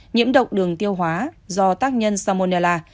nhiễm độc đường tiêu hóa do tác nhân salmonella